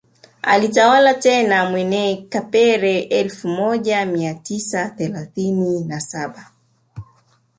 Alitawala tena Mwene Kapere elfu moja mia tisa thelathini na saba